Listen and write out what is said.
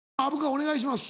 お願いします。